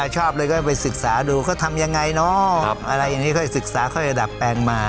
ชอบเลยก็ไปศึกษาดูเขาทำยังไงเนอะอะไรอย่างนี้ค่อยศึกษาค่อยระดับแปลงมา